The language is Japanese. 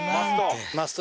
マスト？